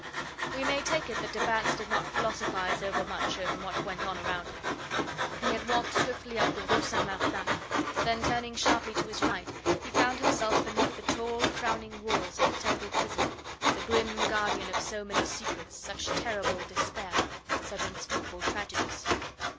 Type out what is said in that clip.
We may take it that de Batz did not philosophise over much on what went on around him. He had walked swiftly up the Rue St. Martin, then turning sharply to his right he found himself beneath the tall, frowning walls of the Temple prison, the grim guardian of so many secrets, such terrible despair, such unspeakable tragedies.